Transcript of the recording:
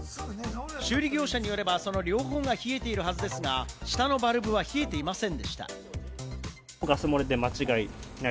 修理業者によれば、その両方が冷えているはずですが、下のバルブは冷えていませんでした。